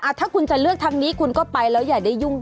ถ้าคุณจะเลือกทางนี้คุณก็ไปแล้วอย่าได้ยุ่ง